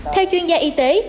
theo chuyên gia y tế